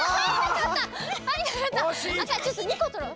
じゃあちょっと２ことろう。